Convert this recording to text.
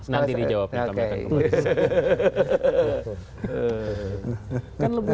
nah nanti dijawabin kami akan kembali